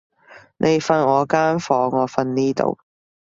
你瞓我間房，我瞓呢度